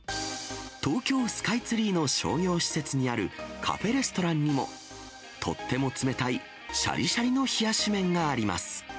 東京スカイツリーの商業施設にあるカフェレストランにも、とっても冷たい、しゃりしゃりの冷やし麺があります。